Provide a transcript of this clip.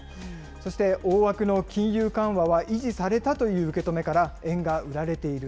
そして大枠の金融緩和は維持されたという受け止めから、円が売られている。